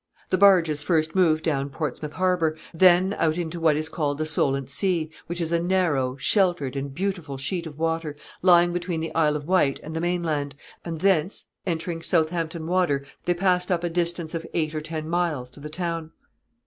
The barges first moved down Portsmouth harbor, then out into what is called the Solent Sea, which is a narrow, sheltered, and beautiful sheet of water, lying between the Isle of Wight and the main land, and thence, entering Southampton Water, they passed up, a distance of eight or ten miles, to the town.